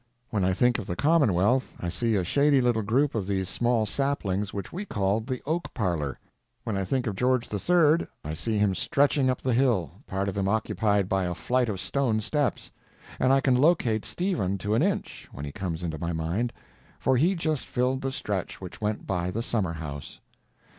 When I think of the Commonwealth I see a shady little group of these small saplings which we called the oak parlor; when I think of George III. I see him stretching up the hill, part of him occupied by a flight of stone steps; and I can locate Stephen to an inch when he comes into my mind, for he just filled the stretch which went by the summer house.